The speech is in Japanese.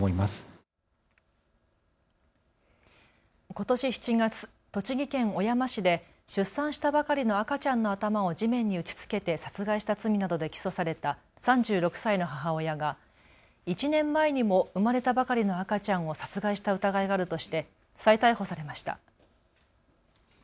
ことし７月、栃木県小山市で出産したばかりの赤ちゃんの頭を地面に打ちつけて殺害した罪などで起訴された３６歳の母親が１年前にも生まれたばかりの赤ちゃんを殺害した疑いがあるとして再逮捕されました。